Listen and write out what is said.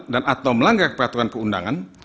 dan atau melanggar peraturan keundangan